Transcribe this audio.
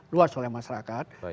luas oleh masyarakat